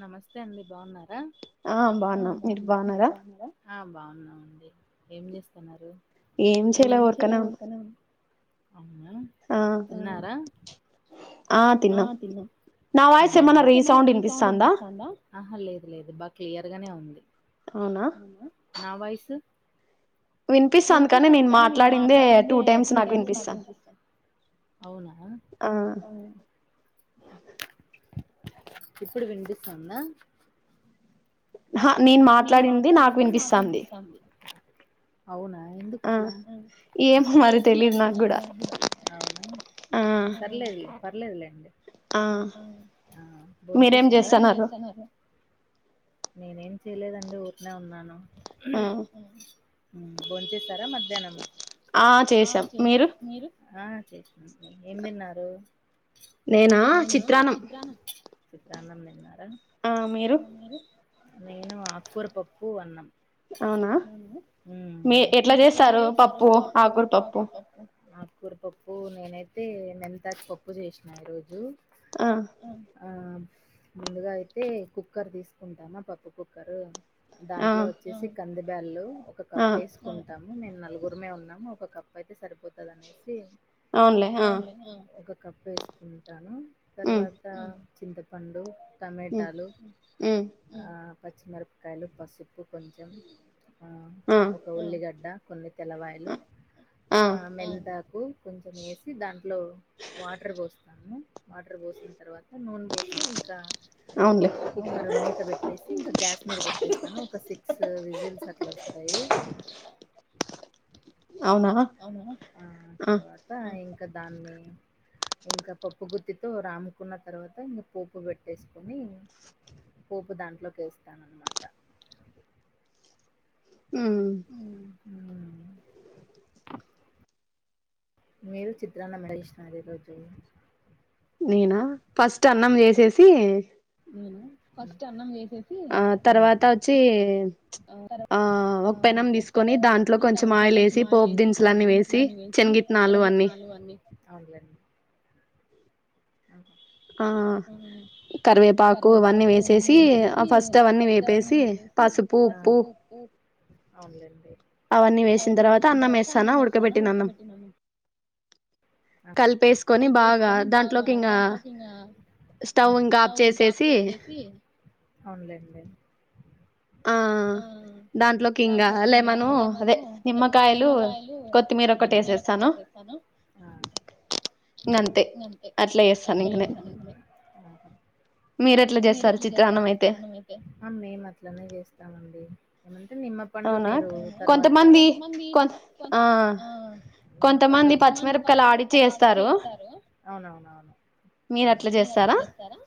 నమస్తే అండి బాగున్నారా ఆ బాగునం మీరు బాగున్నారా ఆ బాగున్నామండి ఏం చేస్తున్నారు ఏం చేయలే ఊరకనే ఉన్న అవునా తిన్నారా ఆ తిన్నాం నా వాయిస్ ఏమనా రీసౌండ్ వినిపిస్తాందా ఆహా లేదు లేదు బా క్లియర్గానే ఉంది అవునా నా వాయిసు వినిపిస్తంది కానీ నేను మాట్లాడిందే టూ టైమ్స్ నాకు వినిపిస్తంది అవును ఆ ఇప్పుడు వినిపిస్తందా హా నేను మాట్లాడింది నాకు వినిపిస్తాంది అవునా ఎందుకట్లా ఏం మరి తెలియదు నాకూడా అవునా పర్లేదులే పర్లేదులేండి బొంచేసినారా మీరు ఏంచేస్తానరు నేనేం చేయలేదండి ఊరికనే ఉన్నాను బో చేసారా మధ్యాహ్నం ఆ చేసా మీరు ఆ చేసినమండి ఏం తిన్నారు నేనా చిత్రానం చిత్రణం తినరా ఆ మీరు నేను ఆకుర పప్పు అన్నం అవున ఎట్లా చేస్తారు పప్పు ఆకులు పప్పు కూరపప్పు నేనైతే మెంతడు పప్పు చేసిన ఈ రోజు ఆ అ ముందుగా అయితే కుక్కర్ తీసుకుంటానా పప్పు కుక్కరు దాంట్లో వచ్చేసి కంది బ్యాళ్లు ఒక కప్పు వేసుకుంటాము మేము నలుగురుమే ఉన్నాము ఒక కప్పు కప్పు అయితే సరిపోతుందినేసి ఒక కప్పు వేసుకుంటాను తర్వాత చింతపండు టమెటాలు ఆ పచ్చిమిరపకాయలు పసుపు కొంచెం అ ఒక ఉల్లిగడ్డ కొన్ని తెల్లవాయలు ఆ మెంతాకు కొంచెం వేసి దాంట్లో వాటర్ పోస్తాము వాటర్ పోసిన తర్వాత నూనె పోసి ఇంకా పప్పు కుక్కర్ మూత పెట్టేసి క గ్యాస్ మీద పెట్టేస్తాను ఒక సిక్స్ విజిల్స్ అట్లా వస్తాయి అ ఆ తర్వాత ఇంకా దాన్ని ఇంకా పప్పు గుత్తితో రామ్ముకున్న తర్వాత ఇంకా పోపు పెట్టేసుకొని పోపు దాంట్లోకి వేస్తాననమాట ఉ మీరు చిత్రాన్నమె జెశినార ఈ రోజు నేనా ఫస్ట్ అన్నం చేసేసి నేనా ఫస్ట్ అన్నం చేసేసి ఆ తర్వాత వచ్చి ఆ ఒక పెనం తీసుకొని దాంట్లో కొంచెం ట్లో కొంచెం ఆయిల్ వేసి పోప్ పోపు దినుసులు అన్నీ వేసి శెన్గిత్తునాలు అన్ని ఆ కరివేపాకు అవన్నీ వేసేసి ఆ ఫస్ట్ అవన్నీ వేపేసి పసుపు ఉప్పు ఔన్లే అవన్నీ వేసిన తర్వాత అన్నం వేస్తానా ఉడకబెట్టిన అన్నం కలిపేసుకొని బాగా దాంట్లోకి ఇంగ స్టవ్ ఇంకా ఆఫ్ చేసేసి ఆ ఆ దాంట్లోకి ఇంగా లెమను అదే నిమ్మకాయలు కొత్తిమీర ఒకటేసేస్తాను అంతే అట్లా చేస్తా మీరు ఎట్లా చేస్తారు చిత్రన్నమైతే అట్లనే చేస్తామండి ఏమ నిమ్మపండు మీరు తర్వాత నిమ్మపండు కొంతమంది పచ్చిమిరపలా ఆడికెస్తారు మీర్ అట్ల చేస్తారా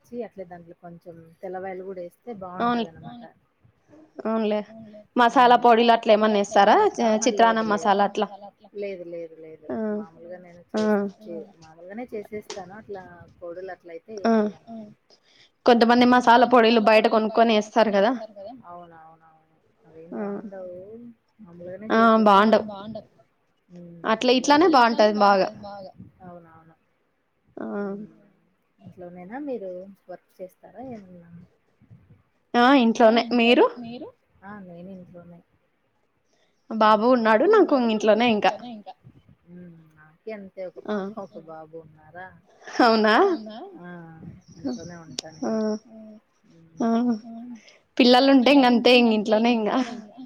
చ్చి అట్లే దాంట్లో కొంచెం తెల్లవాయలు కూడా వేస్తే బాగుంటది అనమాట అవున్లే మసాలా పొడిలు అట్ల ఏమన్నా ఎస్తారా మసాలా అట్లా లేదు లేదు లేదు మామూలుగా నేను చేస్ మామూలుగానే చేసేస్తాను అట్లా పోడులు అట్లయితే ఏమయ్యా కొంతమంది మాసాల పోడిలు బయట కొనుక్కొని ఎస్తారు కదా అవునఅవునవును అవేం బాగుండవు మామలుగానే చేసేస్తా అట్లా ఇట్లానే బాగుంటది బాగా ఆ ఇంట్లోనైనా మీరు వర్క్ చేస్తారా ఏమన్నా ఆ ఇంట్లోనే మీరు ఆ నేను ఇంట్లోనే బాబు ఉన్నాడు నాకు ఇంగ ఇంట్లోనే ఇంకా ఉ నాకే అంతే ఒక పాప ఒక బాబు ఉన్నారా అవునా ఇంట్లోనే ఉంటా నేను పిల్లలు ఉంటే ఇంగ అంతే ఇంగ ఇంట్లోనే ఇంకా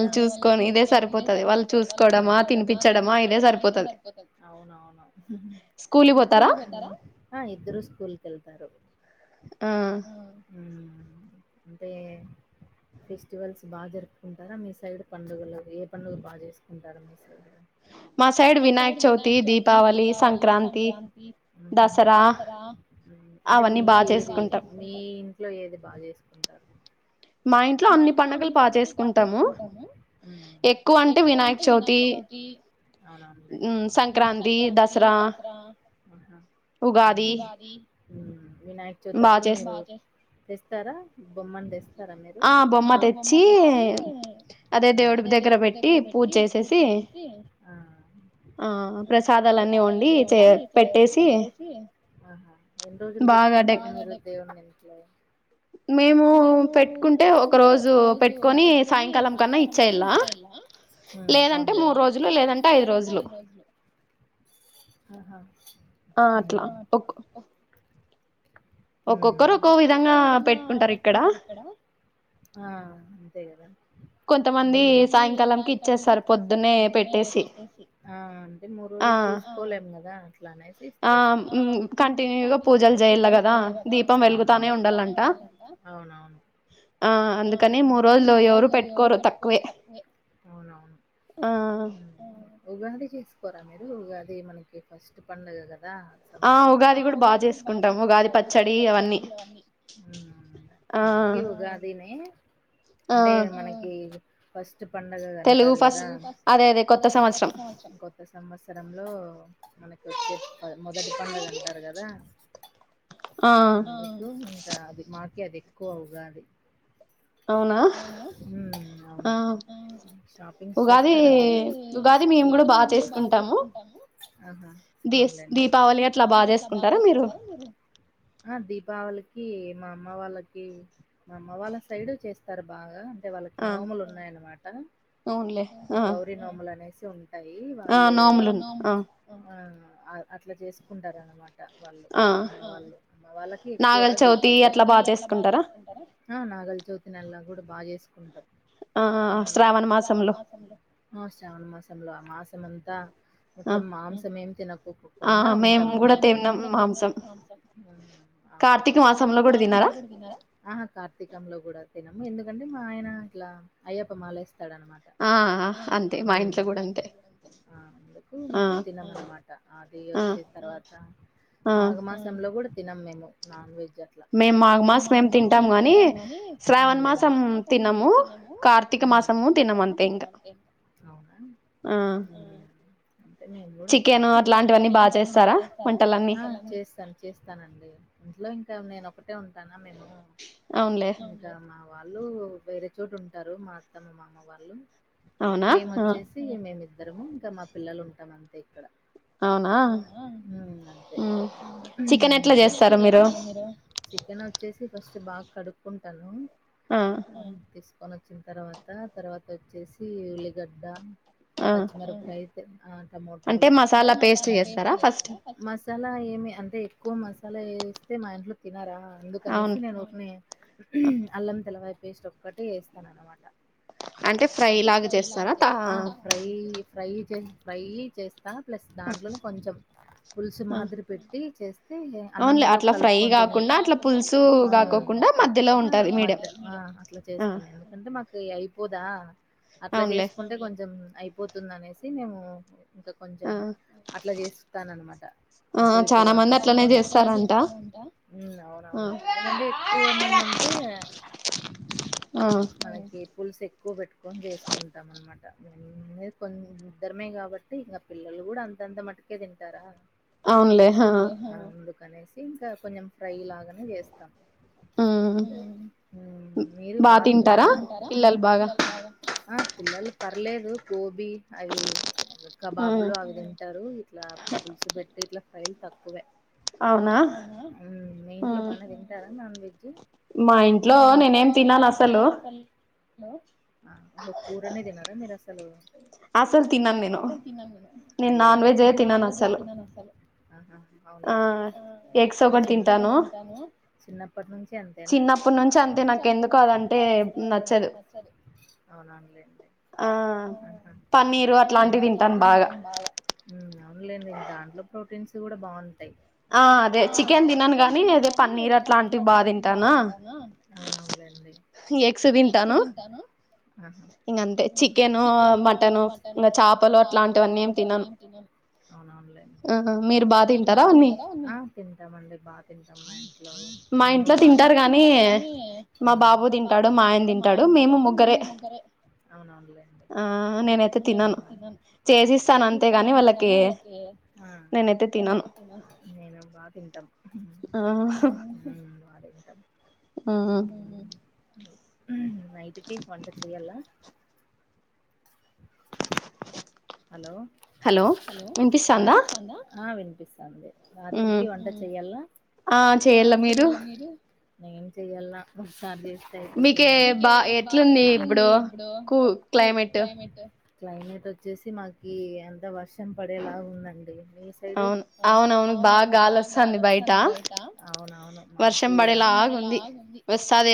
వాళ్ళును చూసుకోని ఇదే సరిపోతది వాళ్ళు చూసుకోవడమా తినిపించడమా ఇదే స సరిపోతది స్కూల్ పోతారా అంటే ఫెస్టివల్స్ బా జరుపుకుంటారా మీ సైడ్ పండుగలు ఏ పండుగ బా చేసుకుంటారు మీ సైడ్ మా సైడ్ వినాయక చౌతి దీపావలి సంక్రాంతి దసరా అంటే మీకు ఏది మీ ఇంట్లో ఏది బా చేసుకుంటారు మా ఇంట్లో అన్ని పండుగలు బా చేసుకుంటాము ఎక్కువ అంటే వినాయక్ చవితి సంక్రాంతి దసరా వినాయక చవితి అప్పుడు మీరు తెస్తారా బొమ్మ నీ తెస్తారా మీరు బొమ్మ తెచ్చి అదే దేవుడి దగ్గర పెట్టి పూజ చేసేసి ప్రసాదాలన్ని వండి చే పెట్టేసి పెట్టుకుంటారు మీరు దేవుని ఇంట్లో మేము పెట్టుకుం పెట్టుకుంటే ఒక రోజు పెట్టుకొని సాయంకాలం కల ఇచ్చేయలా లేదంటే మూడు రోజులు లేదంటే ఐదు రోజులు ఆ అట్లా ఒక్ ఒక్కొక్కరు ఒక్కో విధంగా పెట్టుకుంటరు ఇక్కడ ఆ అంతే కదా కొంతమంది సాయంకాలంకి ఇచ్చేస్తారు పొద్దునే పెట్టేసి కంటిన్యగా పూజలు చేయల్ల దీపం వెలుగుతానే ఉండలంట ఆ అందుకనే మూడు రోజులు ఎవరు పెట్టుకోరు తక్కువే ఉగాది చేసుకోరా మీరు ఉగాది మనకి ఫస్ట్ పండగ ఆ ఉగాది కూడా బాగా చేసుకుంటాము ఉగాది పచ్చడి అవన్నీ మాకి ఉగాదినే అంటే మనకి ఫస్ట్ పస్ట్ పండుగ అంటారు కదా అ కొత్త సంవత్సరంలో మనకి వచ్చే మొదటి పండుగ అంటారు కదా అందుకు ఇంకా అది మాకి అది ఎక్కువ ఉగాది ఉ అవును షాపింగ్స్ చేస్తారు మీరు ఉగాది మేము కూడా బాగా చేసుకుంటాము ది దీపావళి అట్లా బాగా చేసుకుంటారు ఆ దీపావళికి మా అమ్మ వాళ్ళకి మా అమ్మ వాళ్ళ సైడ్ చేస్తారు బాగా అంటే వాళ్ళకి నోములు ఉన్నాయనమాట గౌరీ నోములనేసి ఉం టయి వాళ్ళు అట్లా చేసు కుంటారనమాట వాళ్ళు అమ్మ వాళ్ళు అమ్మ వాళ్ళకి ఎక్కువ ఆ నాగులచవితి నెలో కూడా బా చేసుకుంటాం శ్రావణమాసంలో ఆ శ్రావణమాసంలో ఆ మాసమంతా మొత్తం మాంసం ఏం తినకోకుండా ఉంటాం ఆ మేము కూడా తినం మాంసం అవునవును కార్తీక మాసంలో కూడా తినరా ఆహా కార్తీ క మాసం లో కూడా తినము ఎందుకంటే మా ఆయన ఇట్లా అయ్యప్ప మాల వేస్తాడు అనమాట ఆ అంతే మా ఇంట్లో కూడా అంతే అందుకు మేము తిన్నాము అన్నమాట అది వచ్చే తర్వాత మాఘమాసంలో కూడా తినము మేము నాన్ వెజ్ మేం మాఘ మాసమేం తింటామ తింటాము కాని శ్రావణ మాసం తినము కార్తీక మాసము తినము అంతే అవునా ఆ చికెన్ అట్లాంటివన్నీ బా చేస్తారా ఆ చేస్తాను చేస్తానండి ఇంట్లో ఇంకా నేను ఒకటే ఉంటానా మేము అవునులే వాళ్ళు వేరే చోట ఉంటారు మా అత్తమ్మ మా అమ్మ వాళ్ళు మేమోచేసి మేమి ఇద్దరము ఇంకా మా పిల్లలు ఉంటారు అంతే అవునా అంతే చికెన్ ఎట్లా చేస్తారు మీరు చికెన్ వచ్చేసి ఫస్ట్ బా కడుక్కుంటాను ఆ తీసుకొని వచ్చిన తర్వాత తర్వాత వచ్చేసి ఉల్లిగడ్డ పచ్చిమిరకాయ టమోటాలు అంటే మసాల పెస్ట్ చేస్తారా మసాలా ఏమి అంటే ఎక్కువ మసాలా వే స్తే మా ఇంట్లో తినారా అందుకనేసి నేను ఊరకనే అల్లం వెల్లుల్లి పేస్ట్ ఒక్కటే వేస్తాననమాట అంటే ఫ్రై లా చేస్తా ఆ ఫ్రై ఫ్రై చే ఫ్రై చేస్తా ప్లస్ దాంట్లోనే కొంచెం పులుసు మాదిరి పెట్టి చేస్తే అన్నంలో కలుపుకుని తిన్ దాంట్లో పులుసు కాకోకుండా మద్ద అట్లా చేస్తాం ఎందుకంటే మాకు అయిపోదా అట్లా చేసుకుంటే కొంచెం అయిపోతుంది అనేసి మేము ఇంకా కొంచెం అట్లా చేస్తాననమాట అటు ఇటుగా కాకుకుండ ఆ చాలా మంది అట్లనే చేస్తారంట అవునవును ఎందుకంటే క్కువ మంది ఉంటే మనకి పులుసు ఎక్కువ పెట్టుకొని చేసుకుంటాం అనమాట కొ ఇద్దరమే కాబట్టి ఇంకా పిల్లలు లలు కూడా అంతంత మట్కే తింటారా అవునులే అందుకనేసి ఇంకా ఫ్రై లాగానే చేస్తం మీరు బా తింటారా బా తింటారా పిల్లలు బాగా పిల్లలు పర్లేదు గోబీ అవి కబాబులు అవి తింటారు ఇట్లా పులుసు పెట్టి ఇట్లా ఫ్రైలు తక్కువే అవునా మీ ఇంట్లో బానే తింటారా నాన్ వెజ్ మా మా ఇంట్లో నేను ఏం తిన్నను అసలు హలో కూరనే తినరా మేరసలు అసలు తినను అయ్యో నాన్ వెజ్ తినను అసలు అవునులేండి ఆ ఎగ్స్ ఒకటి తింటాను చినపటి అంతే అంతేనా చిన్నప్పటి నుంచి అంతే నాకు ఎందుకో అదంటే నచ్చదు అవున ఆ పన్నీరు అట్లాంటివి తింటాను బాగా అవునులేండి దాంట్లో ప్రోటీన్స్ కూడా బాగున్ ఆ అదే చికెన్ తినను గాని అదే పన్నీర్ అట్లాంటివి అట్లాంటివి బాధింటానా అవును అవునులేండి ఎగ్స్ తింటాను హ ఇంగ అంతే చికెను మటను ఇంకా చేపలు అట్లాంటివన్నీ ఏం తినం అవునవునులే మీరు బాగా తింటారా తింటామండి బాగా తింటాం మా ఇంట్లో మా ఇంట్లో తింటారు గానీ మా బాబు మా బాబు తింటాడు మా ఆయన తింటాడు మేము ముగ్గరే చేసిస్తాను అంతేగాని వాళ్ళకి నేను ఎప్పుడు తినను బాగా తింటాం బాది ఆ ఉ నైటుకి వంట చెయ్యల్ల హలో హలో రాజేశా అంద ఆ రాత్రికి వంట చెయ్యల్ల ఆ చెయ్యల్ల మీరు ఎం చేయ్యల్ల సారు అయిపోతుంద మీకి బా ఎట్లుంది ఇప్పుడు క్లైమేట్ క్లైమేట్ వచ్చేసి మాకి ఎంత వర్షం ర్షం పడేలా ఉందండి మీ సైడ్ అవు అవునవును బాగాలి వస్తాంది బయట అవునవును మాకిడ వర్షం పడేలాగా ఉంది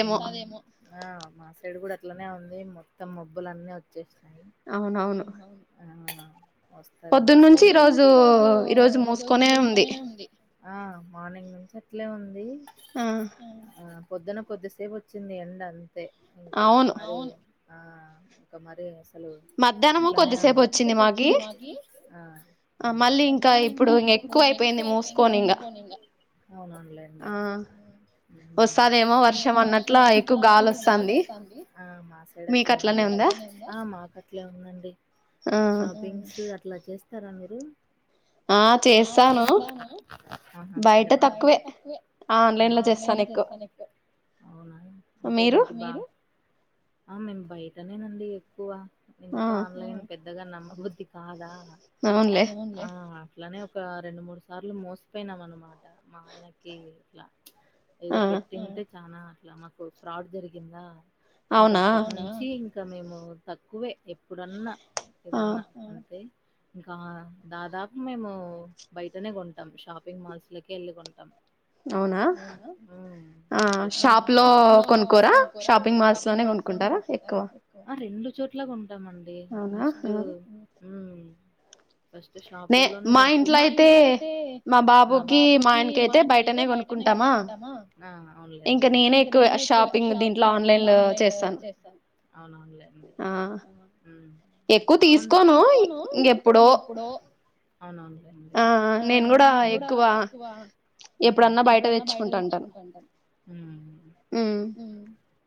వస్తాదేమో ఆ మా సైడ్ కూడా అట్లనే ఉంది మొత్తం మబ్బుల అన్నీ వచ్చేస్తాయి అవునవును పొద్దున్న నుంచి ఈరోజు ఈరోజు మోసుకొనే ఉంది మార్నింగ్ చె అట్లే ఉంది ఆ పొద్దున కొద్దిసేపు వచ్చింది ఎండ అంతే ఇంకా మరి ఆ ఒక మరి మధ్యాహ్నం కొద్దిసేపు వచ్చింది మాకి మళ్ళీ ఇంకా ఎక్కువ అయిపోయింది మూసుకోని ఇంగ అవును అవును లేండి వస్తాదేమో వర్షం అన్నట్లా ఎక్కువ గాలి వస్తుంది మీకు అట్లే ఉంద ఆ మాకు అట్లే ఉందండి షాపింగ్స్ అట్లా చేస్ సారా మీరు ఆ చేస్తాను బయట తక్కువే ఆన్లైన్ లో చేస్తాను ఎక్కువ అవునా అంటే మీరు ఆ ఎం బయి అదేనండి ఎక్కువ ఎందుకో ఆన్లైన్ పెద్దగా నమ్మబుద్ధి కాదా ఊన్లే అట్లానే ఒక రెండు మూడు సార్లు మోసిపోయినాం అనమాట మా ఆయనకి ఇట్లా ఏదో పెట్టిందంటే చనా అట్లా మాకు ఫ్రాడ్ జరిగిందా ఇంకా అప్పటి నుంచి ఇంకా మేము తక్కువే ఎప్పుడన్నా ఏదన్నా అంతే ఇంకా దాదాపు మేము బయటనే కొంటాం షాపింగ్ మాల్స్ లోకి వెళ్ళి కొంటాం అవునా షాప్ లో కొనుక్కోరా షాపింగ్ మాల్స్ లో ఆ రెండు చోట్లా కొంటమండి ఫస్ట్ ఉ మా ఇంట్లో అయితే మా బాబుకి మా ఆయనకి అయితే బయ్ టనే కొనుకుంటామా ఇంకా నేనే ఎక్కువ షాపింగ్ దీంట్లో ఆన్లైన్ లో చేస్తాను ఆ ఉ ఎక్కువ తీసుకోను ఇంగేప్పుడో ఆ నేను కూడా ఎక్కువ ఎప్పుడన్నా బయట తెచ్చుకుంటుంటను